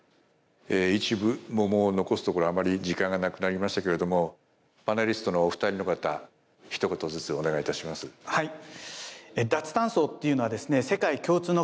一部ももう残すところあまり時間がなくなりましたけれどもパネリストのお二人の方ひと言ずつお願いいたします。